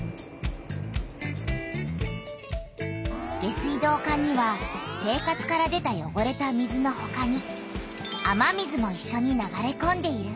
下水道管には生活から出たよごれた水のほかに雨水もいっしょに流れこんでいる。